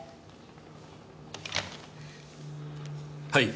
はい。